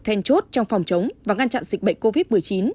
then chốt trong phòng chống và ngăn chặn dịch bệnh covid một mươi chín